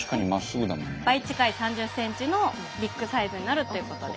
倍近い３０センチのビッグサイズになるということです。